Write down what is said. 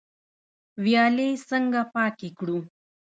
ویالې څنګه پاکې کړو؟